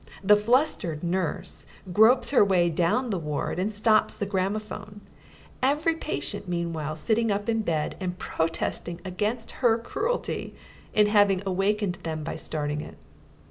The flustered nurse gropes her way down the ward and stops the gramophone, every patient meanwhile sitting up in bed and protesting against her cruelty in having awakened them by starting it.